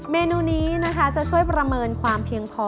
เมนูนี้นะคะจะช่วยประเมินความเพียงพอ